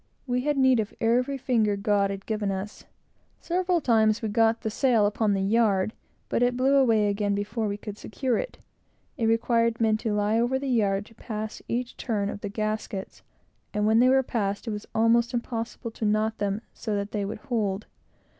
We had need of every finger God had given us. Several times we got the sail upon the yard, but it blew away again before we could secure it. It required men to lie over the yard to pass each turn of the gaskets, and when they were passed, it was almost impossible to knot them so that they would hold.